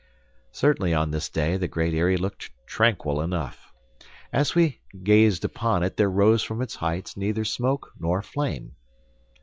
Certainly on this day the Great Eyrie looked tranquil enough. As we gazed upon it, there rose from its heights neither smoke nor flame.